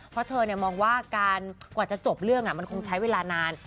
เพราะเธอมองว่าการกว่าจะจบเรื่องมันคงใช้เวลานาน